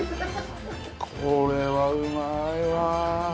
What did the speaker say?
これはうまいわぁ。